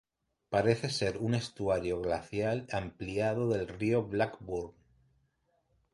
Parece ser un estuario glacial ampliado del río Blackburn.